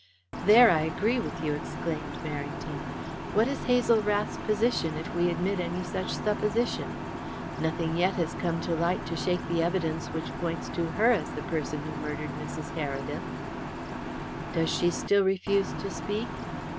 "There I agree with you," exclaimed Merrington. "What is Hazel Rath's position if we admit any such supposition? Nothing has yet come to light to shake the evidence which points to her as the person who murdered Mrs. Heredith." "Does she still refuse to speak?"